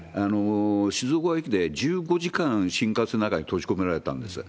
静岡駅で１５時間、新幹線の中に閉じ込められたんです。